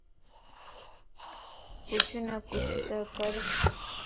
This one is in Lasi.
ڪچھه نه ڪچهه ته ڪر